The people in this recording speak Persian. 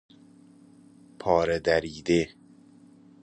پاره دریده